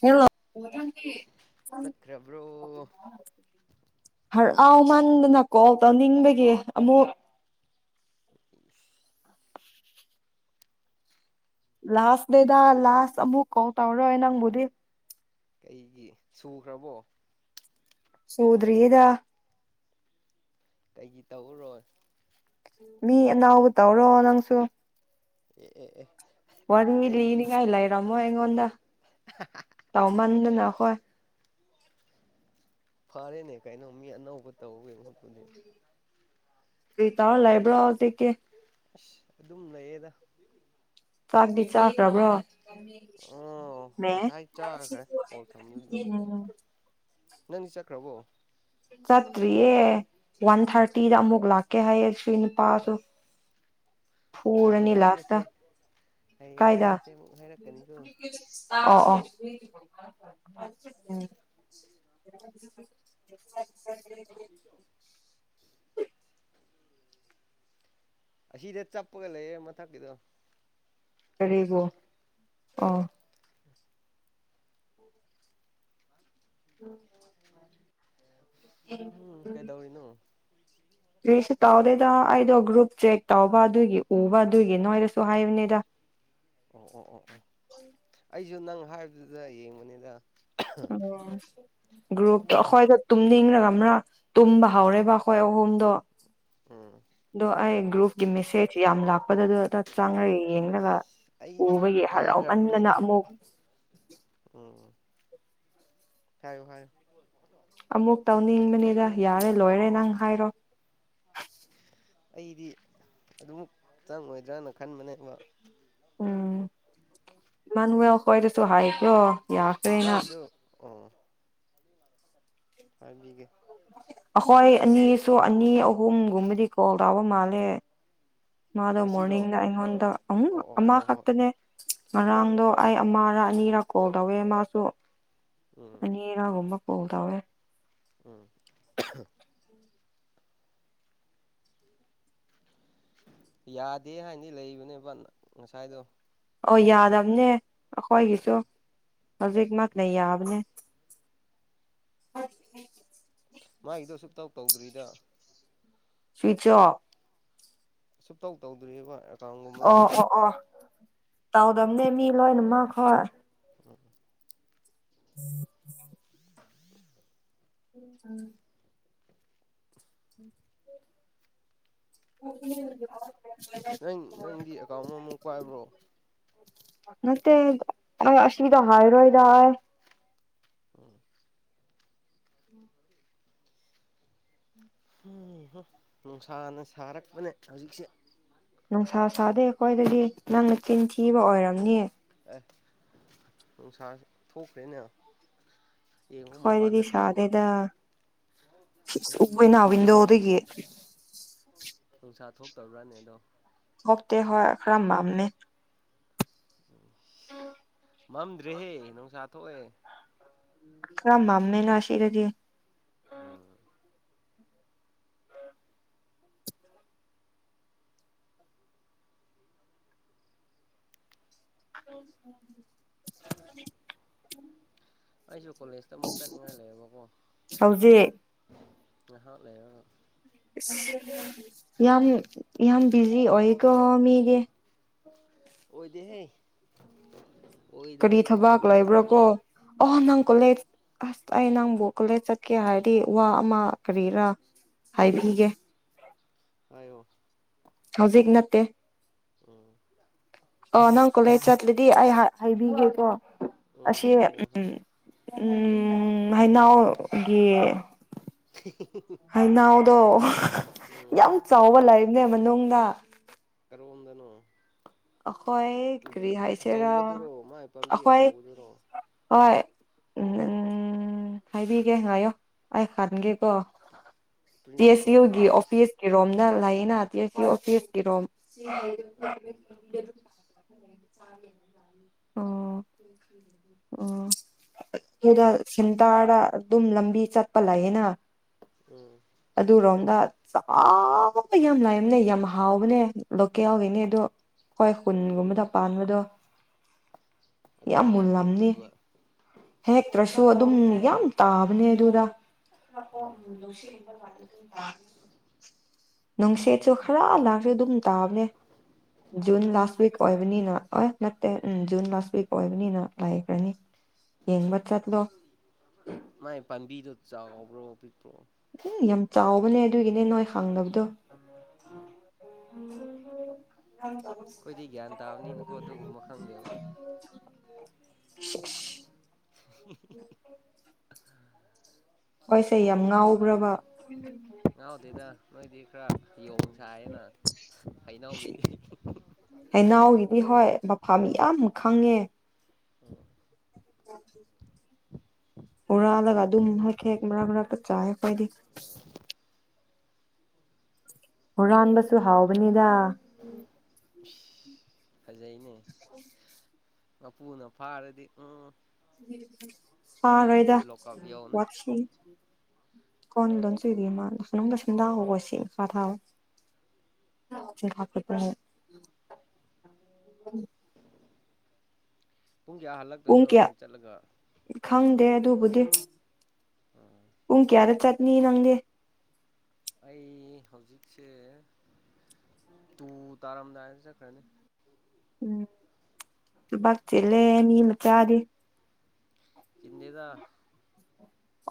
hello ꯆꯠꯈ꯭ꯔꯕ꯭ꯔꯣ ꯍꯔꯥꯎꯃꯟꯗꯅ call ꯇꯧꯅꯤꯡꯕꯒꯤ ꯑꯃꯨꯛ ꯁ ꯂꯥꯁ ꯗꯗ ꯂꯥꯁ ꯑꯃꯨꯛ ꯀꯥꯎꯜ ꯇꯧꯔꯔꯣꯏ ꯅꯪꯕꯨꯗꯤ ꯀꯩꯒꯤ ꯁꯨꯈ꯭ꯔꯕꯣ ꯁꯨꯗ꯭ꯔꯔꯤ ꯌꯦꯗ ꯀꯩꯒꯤ ꯇꯧꯔꯔꯣꯏ ꯃꯤ ꯑꯅꯥꯎꯕ ꯇꯧꯔꯣ ꯅꯪꯁꯨ ꯑꯦ ꯑꯦ ꯋꯥꯔꯤ ꯀꯩꯒꯤ ꯂꯤꯅꯤꯡꯉꯥꯏ ꯂꯩꯔꯝꯃꯣ ꯑꯩꯉꯣꯟꯗ ꯇꯧꯃꯟꯗꯅ ꯑꯩꯈꯣꯏ ꯐꯔꯦꯅꯦ ꯀꯩꯅꯣ ꯃꯤ ꯑꯅꯧꯕ ꯇꯧꯋꯦ ꯈꯣꯠꯄꯨꯗꯤ ꯄ ꯇ ꯂꯥꯏꯕ꯭ꯔꯥꯑꯣꯗ ꯀꯦ ꯑꯁ ꯑꯗꯨꯝ ꯂꯩꯌꯦꯗ ꯆꯥꯛꯗꯤ ꯆꯥꯈ꯭ꯔꯕ꯭ꯔꯣ ꯑꯣ ꯃ ꯉꯁꯥꯏ ꯆꯥꯈ꯭ꯔꯦ ꯀꯣꯜ ꯊꯝꯕꯗꯨꯗ ꯅꯪꯗꯤ ꯆꯠꯈ꯭ꯔꯕꯣ ꯆꯠꯇ꯭ꯔꯤꯌꯦ ꯋꯥꯟ ꯊꯥꯔꯇꯤꯗ ꯑꯃꯨꯛ ꯂꯥꯛꯀꯦ ꯍꯥꯏꯌꯦ ꯁꯤ ꯅꯨꯄꯥꯁꯨ ꯍꯌꯦꯡ ꯐꯔꯅꯤ ꯂꯥꯁꯇ ꯆꯠꯂꯁꯦ ꯍꯌꯦꯡ ꯀꯥꯏꯗ ꯆꯠꯂꯁꯦ ꯑꯃꯨꯛ ꯍꯥꯏꯔꯛꯀꯅꯤꯀꯣ ꯑꯣ ꯑꯣ [unintelligible] ꯑꯁꯤꯗ ꯆꯞꯄꯒ ꯂꯩꯌꯦ ꯃꯊꯛꯀꯤꯗꯣ ꯀꯕꯣ ꯑ ꯎꯝ ꯎꯝ ꯎ ꯀꯔꯤꯁꯨ ꯇꯧꯗꯦꯗ ꯑꯩꯗꯣ ꯒ꯭ꯔꯨꯞ ꯆꯦꯛ ꯇꯧꯕ ꯑꯗꯨꯒꯤ ꯎꯕ ꯑꯗꯨꯒꯤ ꯅꯣꯏꯗꯁꯨ ꯍꯥꯏꯕꯅꯦꯗ ꯑꯣ ꯑꯣ ꯑꯣ ꯑꯣ ꯑꯩꯁꯨ ꯅꯪ ꯍꯥꯏꯕꯗꯨꯗ ꯌꯦꯡꯕꯅꯤꯗ ꯑꯣ ꯒ꯭ꯔꯨꯞꯇꯣ ꯑꯩꯈꯣꯏꯗ ꯇꯨꯝꯅꯤꯡꯔꯒ ꯑꯃꯔꯥ ꯇꯨꯝꯕ ꯍꯧꯔꯦꯕ ꯑꯩꯈꯣꯏ ꯑꯍꯨꯝꯗꯣ ꯎꯝ ꯑꯗꯣ ꯑꯩ ꯒ꯭ꯔꯨꯞꯀꯤ ꯃꯦꯁꯦꯖ ꯌꯥꯝ ꯂꯥꯛꯄꯗ ꯑꯗꯨ ꯆꯥꯡꯉꯒꯦ ꯌꯦꯡꯂꯒ ꯑꯩꯗꯤ ꯎꯕꯒꯤ ꯍꯔꯥꯎꯃꯟꯗꯅ ꯀꯤꯈ꯭ꯔꯕꯅꯤꯗ ꯑꯃꯨꯛ ꯎꯝ ꯍꯥꯏꯣ ꯍꯥꯏ ꯑꯃꯨꯛ ꯇꯧꯅꯤꯡꯕꯅꯤꯗ ꯌꯥꯔꯦ ꯂꯣꯏꯔꯦ ꯅꯪ ꯍꯥꯏꯔꯣ ꯑꯩꯗꯤ ꯑꯗꯨꯃ ꯆꯪꯉꯣꯏꯗ꯭ꯔꯅ ꯈꯟꯕꯅꯦꯕ ꯎꯝ ꯃꯥꯟ ꯀꯣꯏꯗꯁꯨꯣ ꯍꯥꯏꯥꯏ ꯀꯣ ꯃꯥ ꯏꯗꯨ ꯑꯣ ꯍꯥꯏꯕꯤꯒꯦ ꯑꯩꯈꯣꯏ ꯑꯅꯤꯁꯨ ꯑꯅꯤ ꯑꯍꯨꯝꯒꯨꯝꯕꯗꯤ ꯀꯣꯜ ꯇꯥꯕ ꯃꯥꯜꯂꯦ ꯃꯥꯗꯣ ꯉꯁꯤꯔꯣ ꯃꯣꯔꯅꯤꯡꯅ ꯑꯩꯉꯣꯟꯗ ꯑꯃꯨ ꯑꯣ ꯑꯣ ꯑꯃ ꯍꯣ ꯍꯣꯏ ꯈꯛꯇꯅꯦ ꯉꯔꯥꯡꯗꯣ ꯑꯩ ꯑꯃꯔ ꯑꯅꯤꯔꯥ ꯀꯣꯜ ꯇꯧꯋꯦ ꯃꯥꯁꯨ ꯎꯝ ꯍꯔꯥꯒꯨꯝꯕ ꯀꯗꯋꯦ ꯎꯝ ꯌꯥꯗꯦ ꯍꯥꯏꯅꯤ ꯂꯩꯕꯅꯦꯕ ꯉꯁꯥꯏꯗꯣ ꯑꯣ ꯌꯥꯗꯕꯅꯦ ꯑꯩꯈꯣꯏꯒꯤꯁꯨ ꯎꯝ ꯍꯧꯖꯤꯛꯃꯛꯅ ꯌꯥꯕꯅꯦ ꯃꯥꯒꯤꯗꯣ ꯑꯁꯨꯇꯧ ꯇꯧꯗ꯭ꯔꯤꯗ ꯁ꯭ꯋꯆ ꯑꯣꯐ ꯑꯁꯨꯇꯧ ꯇꯧꯗ꯭ꯔꯤꯕ ꯑꯦꯀꯥꯎꯟꯒꯨꯝꯕꯗꯣ ꯑꯣ ꯑꯣ ꯑꯣ ꯇꯥꯎꯗꯝꯅꯦ ꯃꯤ ꯂꯣꯏꯅꯃ ꯍꯣꯏ ꯎꯝ ꯎꯝ [unintelligible] ꯎꯝ ꯎ ꯎ ꯅꯪ ꯅꯪꯒꯤ ꯑꯦꯀꯥꯎꯟ ꯑꯃꯃꯨꯛ ꯄꯥꯏꯕ꯭ꯔꯣ ꯃꯦ ꯑꯁꯗ ꯍꯥꯏꯔꯣ ꯏꯗ ꯑꯣꯝ ꯎꯝ ꯎꯝ ꯍꯨꯝ ꯅꯨꯡꯁꯥꯅ ꯁꯥꯔꯛꯄꯅꯦ ꯍꯧꯖꯤꯛꯁꯦ ꯅꯨꯡꯁꯥ ꯁꯥꯥꯗꯦ ꯑꯩꯈꯣꯏꯗꯗꯤ ꯅꯪꯅ ꯆꯤꯟ ꯊꯤꯕ ꯑꯣꯏꯔꯝꯅꯤ ꯑꯦꯁ ꯅꯨꯡꯁꯥꯖꯦ ꯊꯣꯛꯇꯦꯅꯦ ꯑꯩꯈꯣꯏꯗꯗꯤ ꯁꯥꯗꯦꯗ ꯁꯤ ꯅꯣꯏꯒꯤ ꯎꯋꯦꯅ ꯋꯤꯟꯗꯣꯗꯒꯤ ꯅꯨꯡꯁꯥ ꯊꯣꯛꯇꯕ꯭ꯔꯥꯅꯦ ꯑꯗꯣ ꯊꯣꯛꯇꯦ ꯍꯣꯏ ꯈ꯭ꯔ ꯃꯝꯃꯦ ꯏꯁ ꯃꯝꯗ꯭ꯔꯦꯍꯦ ꯅꯨꯡꯁꯥ ꯊꯣꯛꯑꯦ ꯈꯔꯥ ꯃꯨꯝꯃꯦꯅ ꯁꯤꯗꯗꯤ ꯎꯝ [inaudible] ꯑꯩꯖꯨ ꯀꯣꯂꯦꯖꯇ ꯑꯃꯨꯛ ꯆꯠꯅꯤꯡꯉꯥꯏ ꯂꯩꯌꯦꯕꯀꯣ ꯍꯧꯖꯤꯛ ꯉꯍꯥꯛ ꯂꯩꯔꯒ ꯏꯁ ꯌꯥꯝ ꯌꯥꯝ ꯕꯤꯖꯤ ꯑꯣꯏꯌꯦꯀꯣ ꯃꯤꯗꯤ ꯑꯣꯏꯗꯦꯍꯦ ꯀꯔꯤ ꯑꯣꯏꯗꯕꯩꯅꯦ ꯊꯕꯛ ꯀꯣꯜ ꯇꯧꯔꯤꯁꯦ ꯂꯩꯕ꯭ꯔꯥꯥꯀꯣ ꯑꯣ ꯅꯪ ꯀꯣꯂꯦꯖ ꯑꯁ ꯑꯩ ꯅꯪꯕꯨ ꯀꯣꯂꯦꯖ ꯆꯠꯀꯦ ꯍꯥꯏꯔꯗꯤ ꯋꯥ ꯑꯃ ꯀꯔꯤꯔꯥ ꯍꯥꯏꯕꯤꯒꯦ ꯍꯥꯏꯌꯣ ꯍꯧꯖꯤꯛ ꯅꯠꯇꯦ ꯑꯣ ꯑꯣ ꯅꯪ ꯀꯣꯂꯦꯖ ꯆꯠꯂꯗꯤ ꯑꯩ ꯍꯥꯏꯕꯤꯒꯦꯀꯣ ꯎꯝ ꯑꯁꯤ ꯍꯥꯏꯌꯣ ꯎꯝ ꯍꯥꯏꯌꯣ ꯎꯝ ꯍꯩꯅꯧꯒꯤ [unintelligible] ꯍꯩꯅꯥꯎꯗꯣ ꯎꯝ ꯌꯥꯝ ꯆꯥꯎꯕ ꯂꯩꯕꯅꯦ ꯃꯅꯨꯡꯗ ꯀꯔꯣꯝꯗꯅꯣ ꯑꯩꯈꯣꯏ ꯀ꯭ꯔꯤ ꯍꯥꯏꯁꯦꯔꯥ ꯑꯆꯧꯕꯗꯨꯔꯣ ꯃꯥꯏ ꯄꯥꯝꯕꯤ ꯑꯩꯈꯣꯏ ꯑꯆꯧꯕꯗꯨꯔꯣ ꯍꯣꯏ ꯎꯝꯝ ꯎꯝ ꯍꯥꯏꯕꯤꯒꯦ ꯉꯥꯏꯌꯣ ꯑꯩ ꯈꯟꯒꯦꯀꯣ ꯄꯤ ꯑꯦꯁ ꯌꯨ ꯒꯤ ꯑꯣꯐꯤꯁ ꯀꯤꯔꯣꯝꯅ ꯂꯩꯌꯦꯅꯥ ꯄꯤ ꯑꯦꯁ ꯌꯨ ꯑꯣꯐꯤꯁ ꯀꯤꯔꯣꯝ ꯎꯝ ꯎꯝ ꯑꯣ ꯑꯩꯈꯣꯏꯗ ꯁꯦꯟꯇꯥꯔꯗ ꯑꯗꯨꯝ ꯂꯝꯕꯤ ꯆꯠꯄ ꯂꯩꯌꯦꯅꯥ ꯎꯝ ꯑꯗꯨꯔꯣꯝꯗ ꯆꯥꯕ ꯌꯥꯝ ꯂꯥꯏꯝꯅꯦ ꯌꯥꯝ ꯍꯥꯎꯕꯅꯦ ꯂꯣꯀꯦꯜꯒꯤꯅꯦ ꯑꯗꯣ ꯍꯣꯏ ꯑꯗꯨ ꯈꯨꯟꯒꯨꯝꯕꯗ ꯄꯥꯟꯕꯗꯣ ꯑꯗꯨ ꯌꯥꯝ ꯀꯃꯥꯏꯅ ꯍꯦꯛ ꯃꯨꯜꯂꯝꯅꯤ ꯇꯧꯏꯕ ꯍꯦꯛꯇ꯭ꯔꯁꯨ ꯑꯗꯨꯝ ꯌꯥꯝ ꯇꯥꯕꯅꯦ ꯑꯗꯨꯗ [unintelligible] ꯅꯨꯡꯁꯦꯠꯁꯨ ꯈꯔ ꯂꯥꯛꯁꯨ ꯑꯗꯨꯝ ꯇꯥꯕꯅꯦ ꯖꯨꯟ ꯑꯣ ꯂꯥꯁ ꯋꯤꯛ ꯑꯣꯏꯕꯅꯤꯅ ꯑꯣꯏ ꯅꯠꯇꯦ ꯎꯝ ꯖꯨꯟ ꯂꯥꯁ ꯋꯤꯛ ꯑꯣꯏꯕꯅꯤꯅ ꯂꯥꯏꯈ꯭ꯔꯅꯤ ꯌꯦꯡꯕ ꯆꯠꯂꯣ ꯃꯥꯏ ꯄꯥꯝꯕꯤꯗꯨ ꯆꯥꯎꯕ꯭ꯔꯣ ꯄꯤꯛꯄ꯭ꯔꯣ ꯎꯝ ꯌꯥꯝ ꯆꯥꯎꯕꯅꯦ ꯑꯗꯨꯒꯤꯅꯦ ꯅꯣꯏ ꯍꯪꯗꯕꯗꯣ [unintelligible] ꯑꯩꯈꯣꯏꯗꯤ ꯒ꯭ꯌꯥꯟ ꯇꯥꯕꯅꯤꯅꯀꯣ ꯑꯗꯨꯒꯨꯝꯕ ꯈꯪꯗꯦꯕ [unintelligible] [inaudible] ꯈꯣꯏꯁꯦ ꯌꯥꯝ ꯉꯥꯎꯕ꯭ꯔꯕ [unintelligible] ꯉꯥꯎꯗꯦꯗ ꯅꯣꯏꯗꯤ ꯈꯔ ꯌꯣꯡ ꯁꯥꯏꯌꯦꯅ ꯍꯩꯅꯧꯒꯤ ꯍꯩꯅꯧꯒꯤꯗꯤ ꯍꯣꯏ ꯃꯐꯝ ꯌꯥꯝ ꯈꯪꯉꯦ [inaudible] ꯍꯨꯔꯥꯜꯂꯒ ꯑꯗꯨꯝ ꯍꯦꯛ ꯍꯦꯛ ꯃꯔꯛ ꯃꯔꯛꯇ ꯆꯥꯏꯕ ꯑꯩꯗꯤ ꯍꯨꯔꯥꯟꯕꯁꯨ ꯍꯥꯎꯕꯅꯤꯗ ꯐꯖꯩꯅꯦ ꯃꯄꯨꯅ ꯐꯥꯔꯗꯤ ꯎꯝ ꯐꯥꯔꯣꯏꯗ ꯂꯣꯛꯀꯞ ꯌꯧꯅꯤ ꯋꯥꯊꯤ [unintelligible] ꯥ [unintelligible] ꯄꯨꯡ ꯀꯌꯥ ꯍꯜꯂꯛꯇꯣꯏꯅꯣ ꯀꯌꯥ ꯅꯣꯏ ꯆꯠꯂꯒ ꯈꯪꯗꯦ ꯑꯗꯨꯕꯨꯗꯤ ꯑꯣ ꯄꯨꯡ ꯀꯌꯥꯗ ꯆꯠꯅꯤ ꯅꯪꯗꯤ ꯑꯩ ꯍꯧꯖꯤꯛꯁꯦ ꯇꯨ ꯇꯥꯔꯝꯗꯥꯏꯗ ꯆꯠꯈ꯭ꯔꯅꯤ ꯎꯝ ꯊꯕꯛ ꯆꯤꯜꯂꯦ ꯃꯤ ꯃꯆꯥꯗꯤ ꯆꯤꯟꯗꯦꯗ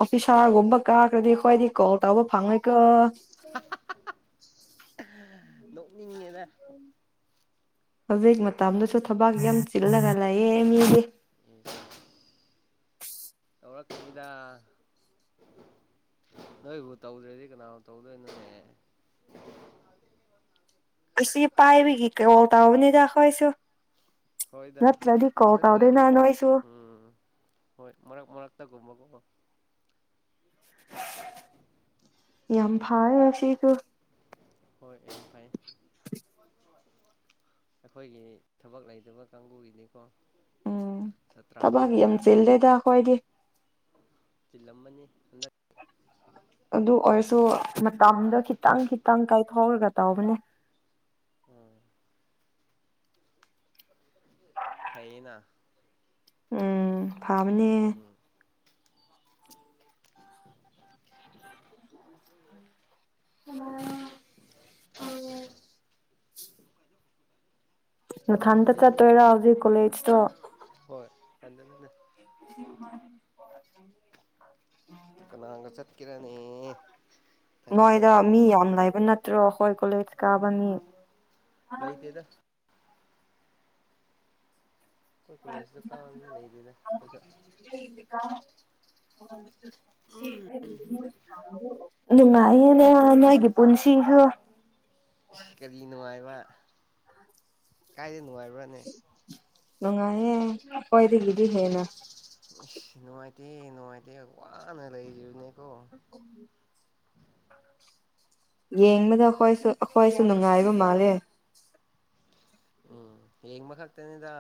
ꯑꯣꯐꯤꯁꯥꯔꯒꯨꯝꯕ ꯀꯥꯔꯈ꯭ꯔꯗꯤ ꯑꯩꯈꯣꯏꯗꯤ ꯀꯣꯜ ꯇꯧꯕ ꯐꯪꯉꯣꯏꯀꯣ ꯑꯩꯁ [unintelligible] ꯅꯣꯛꯅꯤꯡꯉꯤꯗ ꯍꯧꯖꯤꯛ ꯃꯇꯝꯗꯁꯨ ꯊꯕꯛ ꯌꯥꯝ ꯆꯤꯜꯂꯒ ꯂꯩꯌꯦ ꯃꯤꯗꯤ ꯎꯝ [unintelligible] ꯌꯧꯔꯛꯈꯤꯅꯤꯗ ꯅꯣꯏꯕꯨ ꯇꯧꯗ꯭ꯔꯦꯗꯤ ꯀꯅꯥꯅ ꯇꯧꯗꯣꯏꯅꯣꯅꯦ ꯑꯁꯤ ꯄꯥꯏꯕꯤ ꯀꯔꯣꯜ ꯇꯧꯕꯅꯤꯗ ꯑꯩꯈꯣꯏꯁꯨ ꯍꯣꯏꯗ ꯅꯠꯇ꯭ꯔꯗꯤ ꯀꯣꯜ ꯅꯠꯇ꯭ꯔꯗꯤ ꯇꯧꯗꯦꯗ ꯅꯣꯏꯁꯨ ꯎꯝ ꯍꯣꯏ ꯃꯔꯛ ꯃꯔꯛꯇꯒꯨꯝꯕꯀꯣ ꯌꯥꯝ ꯐꯥꯔꯦꯅ ꯁꯤꯁꯨ ꯍꯣꯏ ꯌꯥꯝ ꯐꯩ ꯑꯩꯈꯣꯏꯒꯤ ꯊꯕꯛ ꯂꯩꯇꯕ ꯀꯥꯡꯒꯨꯒꯤꯗꯤꯀꯣ ꯎꯝ ꯊꯕꯛ ꯌꯥꯝ ꯆꯤꯜꯂꯦꯗ ꯑꯩꯈꯣꯏꯗꯤ ꯆꯤꯜꯂꯝꯃꯅꯤ ꯍꯟꯗꯛ ꯑꯗꯨ ꯑꯣꯏꯔꯁꯨ ꯃꯇꯝꯗ ꯈꯤꯇꯪ ꯈꯤꯇꯪ ꯀꯥꯏꯊꯣꯛꯔꯒ ꯇꯧꯕꯅꯦ ꯎꯝ ꯐꯩꯌꯦꯅ ꯎꯝ ꯐꯥꯕꯅꯦ ꯎꯝ [unintelligible] ꯅꯊꯟꯇ ꯆꯠꯇꯣꯏꯔꯥ ꯍꯧꯖꯤꯛ ꯀꯣꯂꯦꯖꯇꯣ ꯍꯣꯏ ꯏꯊꯟꯗꯅꯅꯤ [unintelligible] ꯀꯅꯥꯒ ꯆꯠꯀꯦꯔꯅꯦ ꯏꯊꯟꯗ ꯅꯣꯏꯗ ꯆꯠꯇ꯭ꯔꯗꯤ ꯃꯤ ꯌꯥꯝ ꯂꯩꯕ ꯅꯠꯇ꯭ꯔꯣ ꯑꯩꯈꯣꯏ ꯀꯣꯂꯦꯖ ꯀꯥꯕ ꯃꯤ ꯂꯩꯇꯦꯗ ꯑꯩꯈꯣꯏ ꯀꯣꯂꯦꯖꯇ ꯀꯥꯕ ꯃꯤ ꯂꯩꯇꯦꯗ [unintelligible] [unintelligible] ꯅꯨꯡꯉꯥꯏꯌꯦꯅꯦ ꯅꯣꯏꯒꯤ ꯄꯨꯟꯁꯤꯁꯨ ꯀꯔꯤ ꯅꯨꯡꯉꯥꯏꯕ ꯀꯥꯏꯗ ꯅꯨꯡꯉꯥꯏꯕ꯭ꯔꯥꯅꯦ ꯅꯨꯡꯉꯥꯏꯌꯦ ꯑꯩꯈꯣꯏꯗꯒꯤꯗꯤ ꯍꯦꯟꯅ ꯏꯁ ꯅꯨꯡꯉꯥꯏꯇꯦ ꯅꯨꯡꯉꯥꯏꯇꯦ ꯋꯥꯅ ꯂꯩꯔꯤꯕꯅꯦꯀꯣ [inaudible] ꯌꯦꯡꯕꯗ ꯑꯩꯈꯣꯏꯁꯨ ꯑꯩꯈꯣꯏꯁꯨ ꯅꯨꯡꯉꯥꯏꯕ ꯃꯥꯜꯂꯦ ꯎꯝ ꯌꯦꯡꯕ ꯈꯛꯇꯅꯦꯗ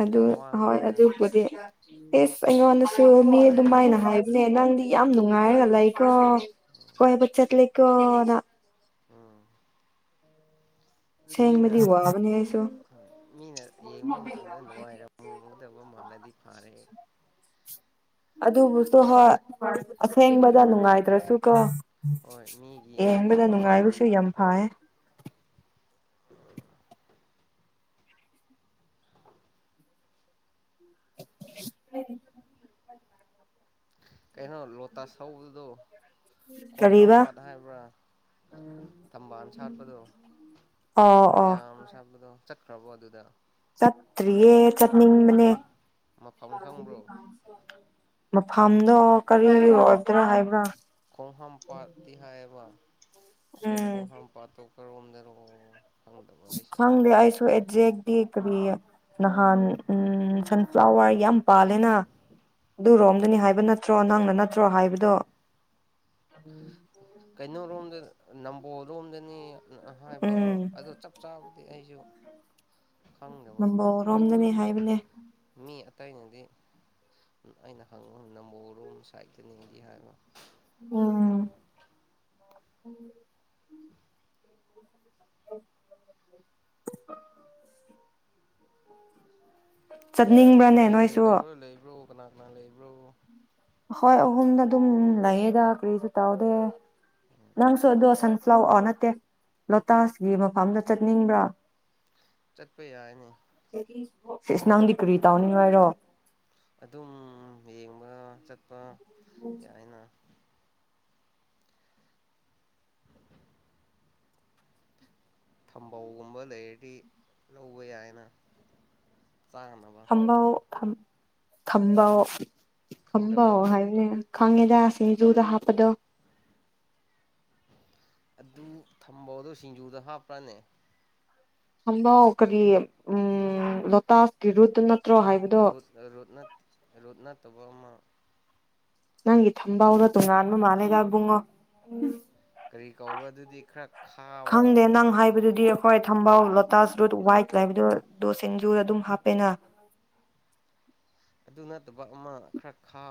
ꯑꯗꯨ ꯌꯥꯝ ꯍꯣꯏ ꯋꯥꯕꯅꯤꯗ ꯑꯗꯨꯕꯨꯗꯤ ꯏꯁ ꯑꯩꯉꯣꯟꯗꯁꯨ ꯃꯤ ꯑꯗꯨꯃꯥꯏꯅ ꯍꯥꯏꯕꯅꯦ ꯅꯪꯗꯤ ꯌꯥꯝ ꯅꯨꯡꯉꯥꯏꯔꯒ ꯂꯩꯀꯣ ꯀꯣꯏꯕ ꯆꯠꯂꯤꯀꯣꯅ ꯎꯝ ꯃꯤꯅ ꯑꯁꯦꯡꯕꯗꯤ ꯋꯥꯕꯅꯦ ꯑꯩꯁꯨ [unintelligible] ꯃꯤꯅ ꯌꯦꯡꯕ ꯃꯇꯝꯗ ꯅꯨꯡꯉꯥꯏꯔꯝꯒꯗꯕ ꯃꯥꯜꯂꯗꯤ ꯐꯔꯦ ꯑꯗꯨꯕꯨꯁꯨ ꯍꯣꯏ ꯑꯁꯦꯡꯕꯗ ꯅꯨꯡ ꯅꯨꯡꯉꯥꯏꯇ‍꯭ꯔꯁꯨ ꯀꯣ ꯍꯣꯏ ꯃꯤꯒꯤ ꯌꯦꯡꯕꯗ ꯃꯃꯥꯡꯗ ꯅꯨꯡꯉꯥꯏꯕꯁꯨ ꯌꯥꯝ ꯍꯣꯏ ꯐꯥꯌꯦ [unintelligible] ꯀꯩꯅꯣ ꯂꯣꯇꯥꯁ ꯍꯧꯕꯗꯣ ꯀꯔꯤꯕ ꯈꯣꯡꯍꯥꯝꯄꯥꯥꯠ ꯍꯥꯏꯕ꯭ꯔꯥ ꯊꯝꯕꯥꯜ ꯁꯥꯠꯄꯗꯣ ꯑꯣ ꯑꯣ ꯃꯌꯥꯝ ꯁꯥꯠꯄꯗꯣ ꯆꯠꯈ꯭ꯔꯕꯣ ꯑꯗꯨꯗ ꯆꯠꯇ꯭ꯔꯤꯌꯦ ꯆꯠꯅꯤꯡꯕꯅꯦ ꯃꯐꯝ ꯈꯪꯕ꯭ꯔꯣ ꯃꯐꯝꯗꯣ ꯀꯔꯤ ꯑꯣꯏꯗ꯭ꯔꯥ ꯍꯥꯏꯕ꯭ꯔꯥ ꯈꯣꯡ ꯍꯥꯥꯝ ꯄꯥꯠꯇꯤ ꯍꯥꯏꯌꯦꯕ ꯑꯗꯣ ꯈꯣꯡ ꯎꯝ ꯍꯥꯥꯝ ꯄꯥꯠꯇꯣ ꯀꯔꯣꯝꯗꯅꯣ ꯈꯪꯗꯕ ꯑꯩꯁꯦ ꯈꯪꯗꯦ ꯑꯩꯁꯨ ꯑꯦꯛꯖꯦꯛꯇꯤ ꯀꯔꯤ ꯅꯍꯥꯟ ꯎꯝ ꯁꯟꯐ꯭ꯂꯥꯋꯔ ꯌꯥꯝ ꯄꯥꯜꯂꯦꯅ ꯑꯗꯨꯔꯣꯝꯗꯅꯤ ꯍꯥꯏꯕ ꯅꯠ ꯇ꯭ꯔꯣ ꯅꯪꯅ ꯅꯠꯇ꯭ꯔꯣ ꯍꯥꯏꯕꯗꯣ [inaudible] ꯀꯩꯅꯣꯔꯣꯝꯗ ꯅꯝꯕꯣꯜꯔꯣꯝꯗꯅꯦꯅ ꯍꯥꯏꯕ ꯎꯝ ꯑꯃꯨꯛ ꯑꯗꯨ ꯆꯞ ꯆꯥꯕꯗꯤ ꯑꯩꯁꯨ ꯈꯪꯗꯕ ꯍꯣꯏ ꯎ ꯅꯝꯕꯣꯜꯔꯣꯝꯗꯅꯤ ꯍꯥꯏꯕꯅꯦ ꯃꯤ ꯑꯇꯩꯅꯗꯤ ꯑꯩꯅ ꯍꯪꯉ ꯅꯝꯕꯣꯜꯔꯣꯝ ꯁꯥꯏꯠꯇꯅꯤꯗꯤ ꯍꯥꯏꯕ ꯎꯝ [inaudible] ꯆꯠꯅꯤꯡꯕ꯭ꯔꯅꯦ ꯀꯩ ꯅꯣꯏꯁꯨ ꯀꯩꯗꯧꯔ ꯂꯩꯕ꯭ꯔꯣ ꯀꯅꯥ ꯀꯅꯥ ꯂꯩꯕ꯭ꯔꯣ ꯍꯣꯏ ꯑꯍꯨꯝꯗ ꯑꯗꯨꯝ ꯂꯩꯌꯦꯗ ꯀꯔꯤꯁꯨ ꯇꯧꯗꯦ ꯅꯪꯁꯨ ꯑꯗꯣ ꯁꯟꯐ꯭ꯂꯥꯋꯔ ꯑ ꯅꯠꯇꯦ ꯂꯣꯇꯥꯁꯀꯤ ꯃꯐꯝꯗ ꯆꯠꯅꯤꯡꯕ꯭ꯔꯥ ꯆꯠꯄ ꯌꯥꯏꯅꯦ ꯁꯤꯁ ꯅꯪꯗꯤ ꯀꯔꯤ ꯇꯧꯅꯤꯡꯉꯥꯏꯔꯣ ꯑꯗꯨꯝ ꯌꯦꯡꯕ ꯆꯠꯄ ꯌꯥꯏꯅ ꯊꯝꯕꯧꯒꯨꯝꯕ ꯂꯩꯔꯗꯤ ꯂꯧꯕ ꯌꯥꯏꯅ ꯆꯥꯅꯕ ꯊꯝꯕꯧ ꯊꯝ ꯊꯝꯕꯧ ꯈꯪꯗꯕ꯭ꯔꯣ ꯍꯥꯏꯕ [unintelligible] ꯈꯪꯉꯦꯗ ꯁꯤꯡꯖꯨꯗ ꯍꯥꯞꯄꯗꯣ ꯑꯗꯨ ꯊꯝꯕꯧꯗꯣ ꯁꯤꯡꯖꯨꯗ ꯍꯥꯞꯄ꯭ꯔꯥꯅꯦ ꯊꯝꯕꯧ ꯀꯔꯤ ꯎꯝ ꯂꯣꯇꯥꯁꯀꯤ ꯔꯨꯠꯇꯨ ꯅꯠꯇ꯭ꯔꯣ ꯍꯥꯏꯕꯗꯣ ꯔꯨꯠ ꯅꯠ ꯔꯨꯠ ꯅꯠꯇꯕ ꯑꯃ ꯅꯪꯒꯤ ꯊꯝꯕꯧꯗꯣ ꯇꯣꯉꯥꯟꯕ ꯃꯥꯜꯂꯦꯗ ꯕꯨꯡꯉꯣ ꯀꯔꯤ ꯀꯧꯕ꯭ꯔꯥ ꯑꯗꯨꯗꯤ ꯈꯔ ꯈꯥꯕꯗꯣ ꯥꯅꯪ ꯍꯥꯏꯕꯗꯨꯗꯤ ꯍꯣꯏ ꯊꯝꯕꯧ ꯂꯣꯇꯥꯁ ꯔꯨꯠ ꯋꯥꯏꯠ ꯂꯩꯕꯗꯨ ꯑꯗꯨ ꯁꯤꯡꯖꯨꯗ ꯑꯗꯨꯝ ꯍꯥꯞꯄꯦꯅ ꯑꯗꯨ ꯅꯠꯇꯕ ꯑꯃ ꯈꯔ ꯈꯥꯕ